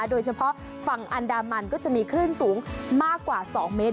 โดยเฉพาะฝั่งอันดามันก็จะมีคลื่นสูงมากกว่า๒เมตร